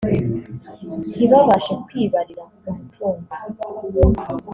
ntibabashe kwibarira umutungo